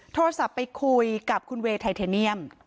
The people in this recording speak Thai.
โทรศัพท์ไปคุยกับคุณเวย์ไทเทเนียม